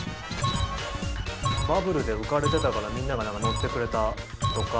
バブルで浮かれてたからみんなが乗ってくれたとか。